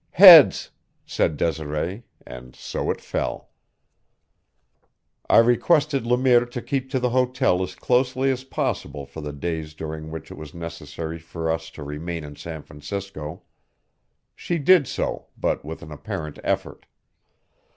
"Heads," said Desiree, and so it fell. I requested Le Mire to keep to the hotel as closely as possible for the days during which it was necessary for us to remain in San Francisco. She did so, but with an apparent effort.